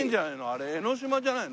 あれ江の島じゃないの？